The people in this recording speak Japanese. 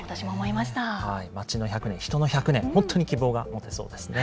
町の１００年、人の１００年、本当に希望が持てそうですね。